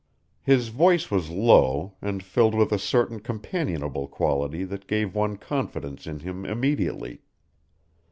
His voice was low, and filled with a certain companionable quality that gave one confidence in him immediately.